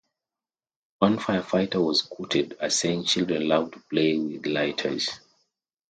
One firefighter was quoted as saying Children love to play with lighters.